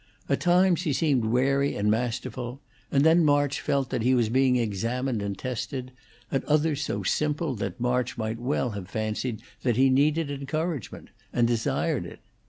At times he seemed wary and masterful, and then March felt that he was being examined and tested; at others so simple that March might well have fancied that he needed encouragement, and desired it.